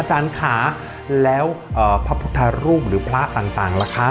อาจารย์ค่ะแล้วพระพุทธรูปหรือพระต่างล่ะคะ